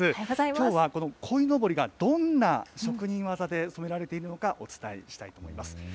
きょうは、このこいのぼりがどんな職人技で染められているのか、お伝えしたいと思います。